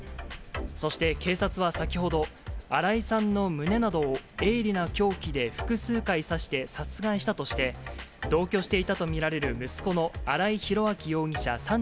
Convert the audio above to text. そして警察は先ほど、新井さんの胸などを鋭利な凶器で複数回刺して殺害したとして、同居していたと見られる息子の新井ひろあき容疑者